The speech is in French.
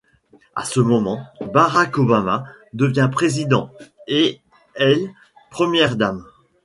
À ce moment, Barack Obama devient président, et elle, première dame.